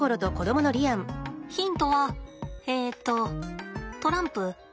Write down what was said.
ヒントはえっとトランプ？